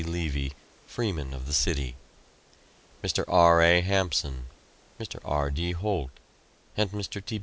Levy (freemen of the city), Mr. R. A. Hampson, Mr. R. D. Holt, and Mr. T.